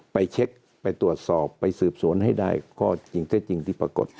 ไปเช็คไปตรวจสอบไปสืบสวนให้ได้ข้อจริงเท็จจริงที่ปรากฏ